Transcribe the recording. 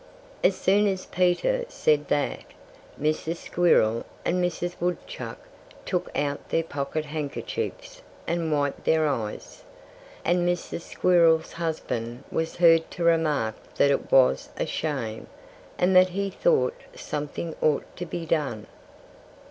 As soon as Peter said that, Mrs. Squirrel and Mrs. Woodchuck took out their pocket handkerchiefs and wiped their eyes. And Mrs. Squirrel's husband was heard to remark that it was a shame, and that he thought something ought to be done.